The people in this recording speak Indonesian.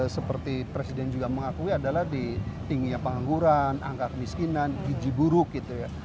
seperti presiden juga mengakui adalah di tingginya pengangguran angka kemiskinan giji buruk gitu ya